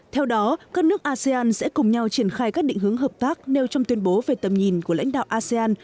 theo đó các nước asean sẽ cùng nhau triển khai các định hướng hợp tác nêu trong tuyên bố về tầm nhìn của lãnh đạo asean